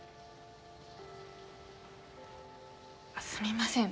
すみません。